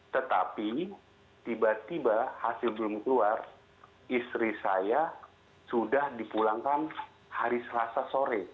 tetapi tiba tiba hasil belum keluar istri saya sudah dipulangkan hari selasa sore